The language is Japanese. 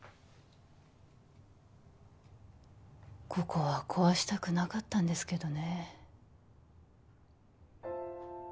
ここは壊したくなかったんですけどね